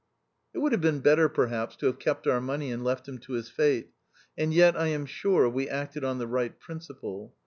It would have been better, perhaps, to have kept our money and left him to his fate ; and yet, I am sure, we acted on the right principle.